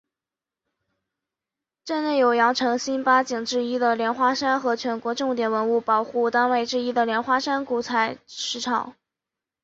镇内有羊城新八景之一的莲花山和全国重点文物保护单位之一的莲花山古采石场。